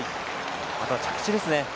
あとは着地ですね